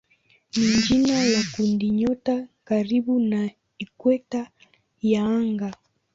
ni jina la kundinyota karibu na ikweta ya anga.